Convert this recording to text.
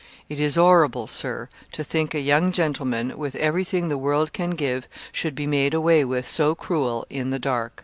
It is orrible, Sir, to think a young gentleman, with everything the world can give, shud be made away with so crewel in the dark.